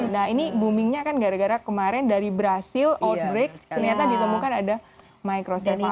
nah ini boomingnya kan gara gara kemarin dari brazil outbreak ternyata ditemukan ada microceming